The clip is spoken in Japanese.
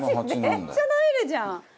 めっちゃ食べるじゃん。